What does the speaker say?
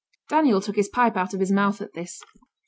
Daniel took his pipe out of his mouth at this.